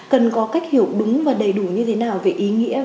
cần có cách hiểu đúng và đầy đủ như thế nào về ý nghĩa